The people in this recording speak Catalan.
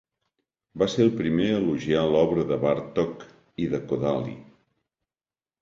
Va ser el primer a elogiar l'obra de Bartók i de Kodály.